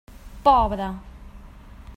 Pobre!